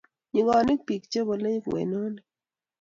nyikonik biik chebolei ng'wenonik